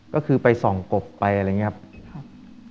ก็คือไปส่องกบไปอะไรอย่างนี้ครับ